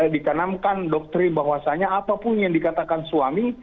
dikanamkan doktrin bahwasanya apapun yang dikatakan suami